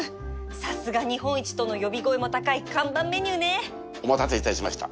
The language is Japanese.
さすが日本一との呼び声も高い看板メニューねお待たせいたしました。